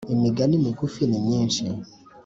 Imigani migufi nimyishi.